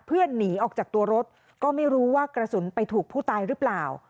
หนีออกจากตัวรถก็ไม่รู้ว่ากระสุนไปถูกผู้ตายหรือเปล่า